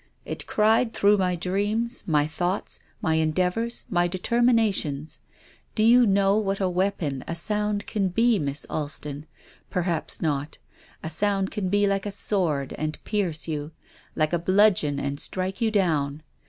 " It cried through my dreams, my thoughts, my endeavours, my determinations. Do you know what a weapon a sound can be. Miss Alston ? Perhaps not. A sound can be like a sword and pierce you, like a bludgeon and strike you down.